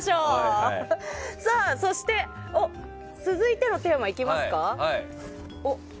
続いてのテーマいきますか。